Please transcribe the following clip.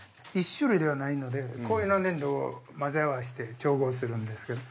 ◆１種類ではないのでこういうふうな粘土を混ぜ合わせて調合するんですけど。